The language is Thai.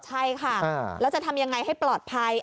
ใช่ค่ะแล้วจะทำยังไงให้ปลอดภัย